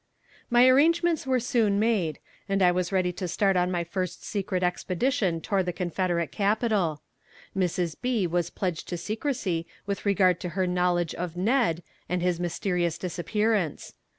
My arrangements were soon made, and I was ready to start on my first secret expedition toward the Confederate capital. Mrs. B. was pledged to secrecy with regard to her knowledge of "Ned" and his mysterious disappearance.